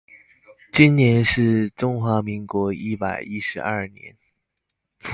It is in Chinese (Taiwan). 今年是中華民國一百一十二年